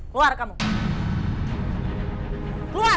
keluar kamu keluar